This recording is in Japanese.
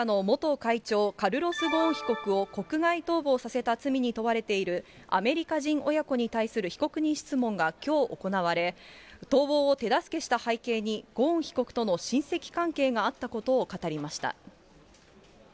日産自動車の元会長、カルロス・ゴーン被告を国外逃亡させた罪に問われている、アメリカ人親子に対する被告人質問がきょう行われ、逃亡を手助けした背景にゴーン被告との親戚関係があったことを語りました。